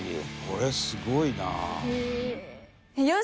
これすごいな。